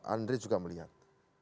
andri juga melihat